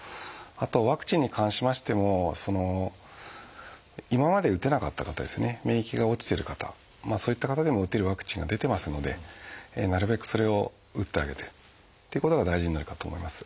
あとワクチンに関しましても今まで打てなかった方ですね免疫が落ちてる方そういった方でも打てるワクチンが出てますのでなるべくそれを打ってあげるっていうことが大事になるかと思います。